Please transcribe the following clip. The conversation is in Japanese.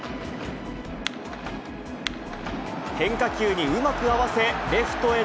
変化球にうまく合わせ、レフトへ